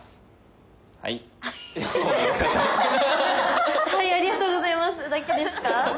「ハイありがとうございます」だけですか？